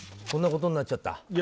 こんなことになっちゃった？